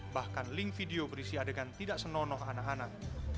bahkan link video berisi adegan tidak senonoh anak anak